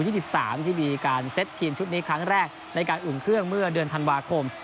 ที่มีการเซ็ตทีมชุดนี้ครั้งแรกในการอุ่นเครื่องเมื่อเดือนธันวาคม